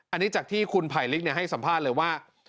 อันนี้จากที่คุณไผลลิกให้สัมภาษณ์เลยว่า